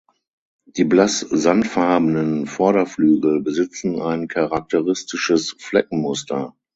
Die blass sandfarbenen Vorderflügel besitzen ein charakteristisches Fleckenmuster.